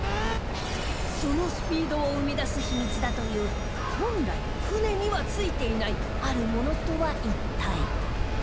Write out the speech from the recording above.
そのスピードを生み出す秘密だという本来船には付いていないあるものとは一体